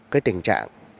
cái tình trạng